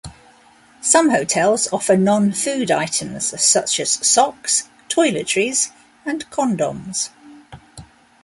Some hotels offer non-food items, such as socks, toiletries, and condoms.